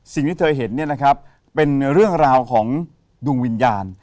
สิ่งที่เธอเห็นเนี่ยนะครับเป็นเรื่องราวของดวงวิญญาณ